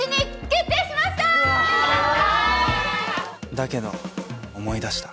だけど思い出した